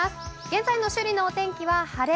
現在の首里のお天気は晴れ。